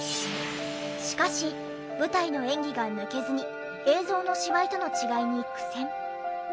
しかし舞台の演技が抜けずに映像の芝居との違いに苦戦。